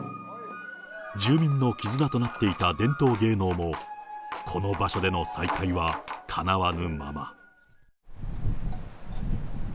住民の絆となっていた伝統芸能もこの場所での再開はかなわぬまま。